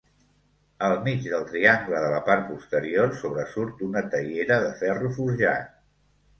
Al mig del triangle de la part posterior sobresurt una teiera de ferro forjat.